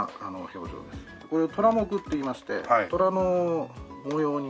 これを虎杢っていいまして虎の模様に。